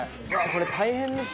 これ大変です